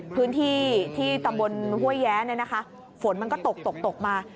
พื้นที่ที่ตะบนฮวยแย้เนี่ยนะคะฝนมันก็ตกมา